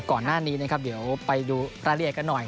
ก่อนหน้านี้นะครับเดี๋ยวไปดูรายละเอียดกันหน่อย